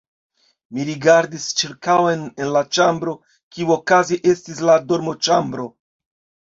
Mi rigardis ĉirkaŭen en la ĉambro, kiu okaze estis la dormoĉambro.